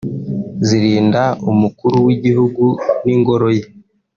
zirinda Umukuru w’Igihugu n’ingoro ye